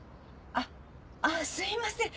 あっあすいません。